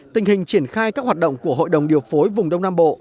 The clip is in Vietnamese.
tình hình triển khai các hoạt động của hội đồng điều phối vùng đông nam bộ